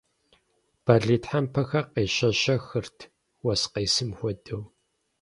Бэлий тхьэмпэхэр къещэщэхырт, уэс къесым хуэдэу.